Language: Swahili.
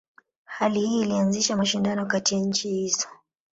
Hali hii ilianzisha mashindano kati ya nchi hizo.